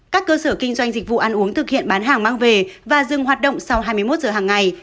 các cơ sở kinh doanh dịch vụ ăn uống thực hiện bán hàng mang về và dừng hoạt động sau hai mươi một giờ hàng ngày